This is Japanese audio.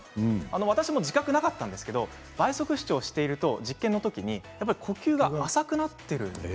私も自覚はなかったんですけれど倍速視聴していると実験の時にやっぱり呼吸が浅くなっているんです。